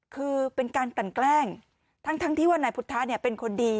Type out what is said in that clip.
คือเป็นการกลั่นแกล้งทั้งที่ว่านายพุทธะเป็นคนดี